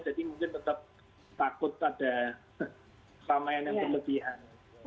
jadi mungkin tetap takut ada ramain yang kelebihan